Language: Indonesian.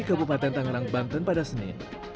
kabupaten tangerang banten pada senin